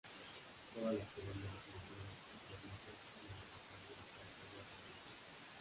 Todas las columnas, molduras y cornisas del retablo están sobre doradas.